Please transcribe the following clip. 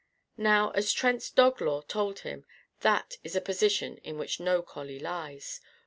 Now, as Trent's dog lore told him, that is a position in which no collie lies.